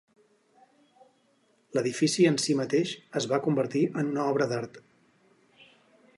L'edifici en si mateix es va convertir en una obra d'art.